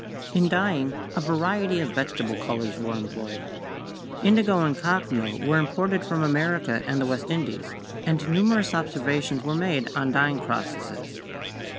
In dyeing a variety of vegetable colors were employed. Indigo and cochineal were imported from America and the East Indies, and numerous observations were made on dyeing processes.